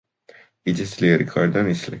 იცის ძლიერი ქარი და ნისლი.